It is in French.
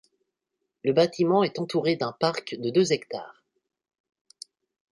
Le bâtiment est entouré d'un parc de deux hectares.